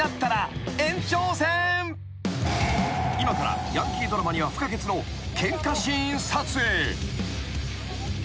［今からヤンキードラマには不可欠のケンカシーン撮影］